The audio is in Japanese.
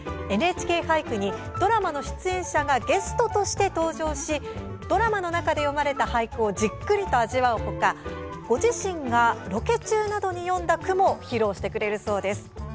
「ＮＨＫ俳句」にドラマの出演者がゲストとして登場しドラマの中で詠まれた俳句をじっくりと味わう他ご自身がロケ中などに詠んだ句も披露してくれるそうです。